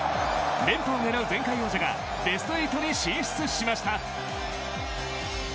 連覇を狙う前回王者がベスト８に進出しました。